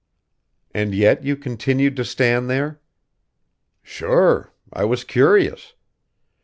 "And yet you continued to stand there?" "Sure I was curious.